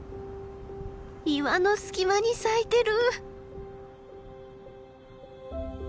岩の隙間に咲いてる！